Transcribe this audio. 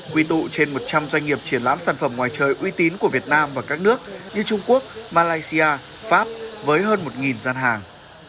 quy tụ trên một trăm linh doanh nghiệp triển lãm sản phẩm ngoài trời uy tín của việt nam và các nước như trung quốc malaysia pháp với hơn một gian hàng